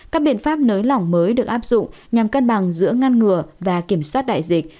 các biện pháp nới lỏng mới được áp dụng nhằm cân bằng giữa ngăn ngừa và kiểm soát đại dịch